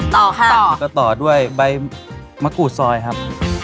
ต่อค่ะต่อก็ต่อด้วยใบมะกรูดซอยครับ